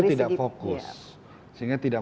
tidak fokus sehingga tidak